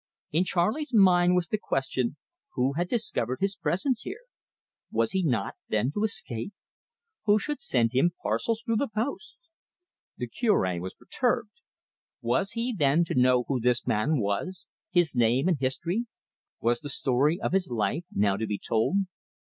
In Charley's mind was the question, Who had discovered his presence here? Was he not, then, to escape? Who should send him parcels through the post? The Cure was perturbed. Was he, then, to know who this man was his name and history? Was the story of his life now to be told?